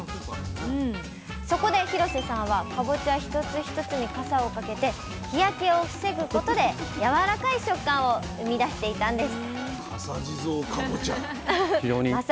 そこで廣瀬さんはかぼちゃ一つ一つにかさをかけて日焼けを防ぐことでやわらかい食感を生み出していたんです